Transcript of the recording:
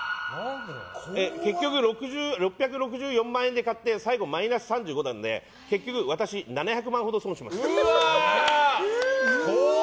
結局６６４万円で買って最後マイナス３５万円なんで結局、私、７００万ほど損しました。